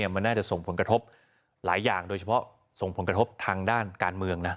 มันน่าจะส่งผลกระทบหลายอย่างโดยเฉพาะส่งผลกระทบทางด้านการเมืองนะ